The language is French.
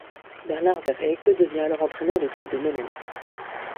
Bernard Verheecke devient alors entraîneur du club de Menen.